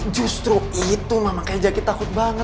justru itu mama kayaknya jaki takut banget